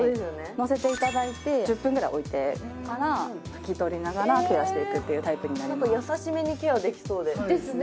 のせていただいて１０分ぐらい置いてからふき取りながらケアしていくというタイプになりますなんかやさしめにケアできそうでですね